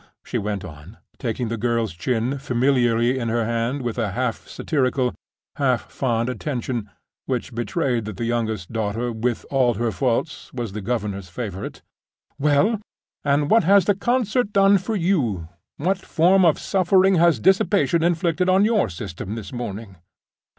she went on, taking the girl's chin familiarly in her hand, with a half satirical, half fond attention which betrayed that the youngest daughter, with all her faults, was the governess's favorite—"Well? and what has the concert done for you? What form of suffering has dissipation inflicted on your system this morning?"